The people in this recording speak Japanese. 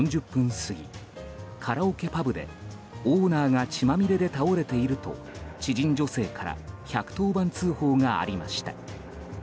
過ぎカラオケパブでオーナーが血まみれで倒れていると知人女性から１１０番通報がありました。